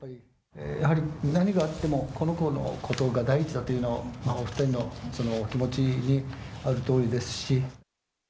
やはり何があってもこの子のことが第一だというのはお二人のそのお気持ちにあるとおりですし。